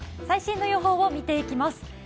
最新の予報を見ていきます。